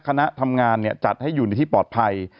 คณะทำงานจัดให้อยู่ในที่ปลอดภัย